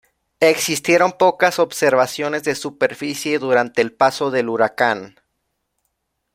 Existieron pocas observaciones de superficie durante el paso del huracán.